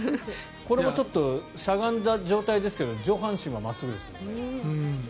これもちょっとしゃがんだ状態ですが上半身は真っすぐですもんね。